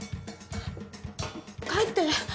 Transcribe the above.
帰って。